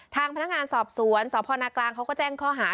ทางพนักงานสอบสวนสพนกลางเขาก็แจ้งข้อหา